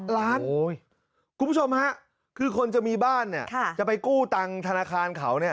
คุณผู้ชมฮะคือคนจะมีบ้านเนี่ยจะไปกู้ตังธนาคารเขาเนี่ย